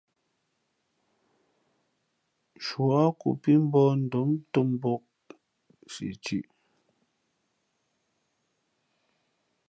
Shuάku pí mbᾱαndom ntōm mbōk siꞌ thʉ̄ꞌ.